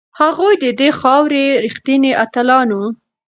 هغوی د دې خاورې ریښتیني اتلان وو.